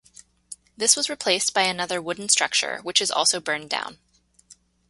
This was replaced by another wooden structure, which also burned down.